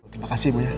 terima kasih ibu ya